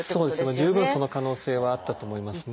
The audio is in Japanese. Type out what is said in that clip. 十分その可能性はあったと思いますね。